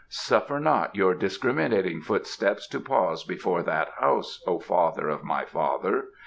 Suffer not your discriminating footsteps to pause before that house, O father of my father!